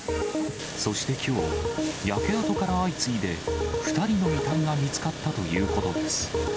そしてきょう、焼け跡から相次いで２人の遺体が見つかったということです。